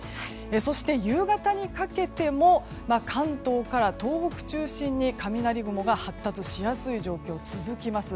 そして、夕方にかけても関東から東北中心に雷雲が発達しやすい状況が続きます。